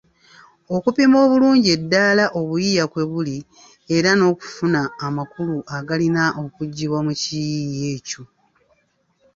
Okupima obulungi eddaala obuyiiya kwe buli era n'okufa ku makulu agalina okuggibwa mu kiyiiye ekyo.